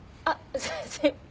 すいません。